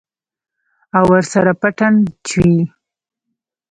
او ورسره پټن چوي.